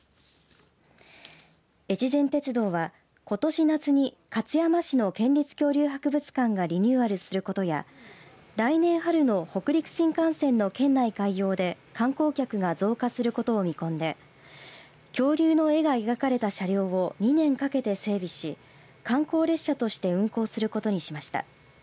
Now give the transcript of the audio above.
えちぜん鉄道は、ことし夏に勝山市の県立恐竜博物館がリニューアルすることや来年春の北陸新幹線の県内開業で観光客が増加することを見込んで恐竜の絵が描かれた車両を２年かけて整備し観光列車として運行することにしました。